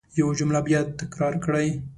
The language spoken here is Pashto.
یو جمله باید تکرار کړئ.